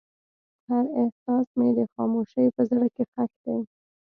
هر احساس مې د خاموشۍ په زړه کې ښخ دی.